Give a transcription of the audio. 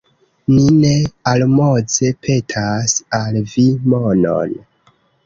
Mi ne almoze petas al vi monon!